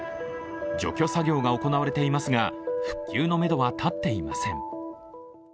除去作業が行われていますが復旧のめどは立っていません。